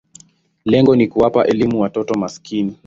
Lengo ni kuwapa elimu watoto maskini.